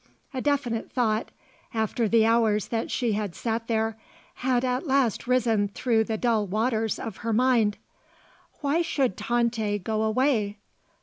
A definite thought, after the hours that she had sat there, had at last risen through the dull waters of her mind. Why should Tante go away?